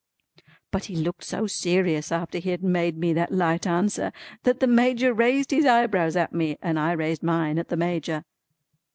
But he looked so serious after he had made me that light answer, that the Major raised his eyebrows at me and I raised mine at the Major.